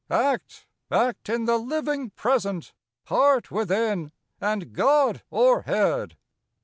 Act, — act in the living Present ! Heart within, and God o'erhead